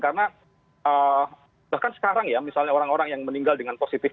karena bahkan sekarang ya misalnya orang orang yang meninggal dengan positif